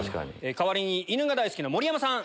代わりに犬が大好きな盛山さん。